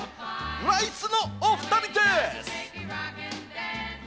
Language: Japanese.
ライスのおふたりです。